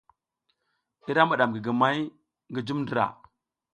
Ira miɗam gigimay ngi jum ndra.